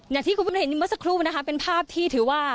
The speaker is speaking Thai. อย่างที่คุณเห็นเมื่อสักครู่เป็นภาพที่ถือว่า